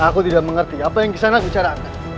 aku tidak mengerti apa yang gisanak bicara